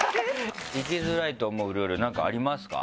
生きづらいと思うルール何かありますか？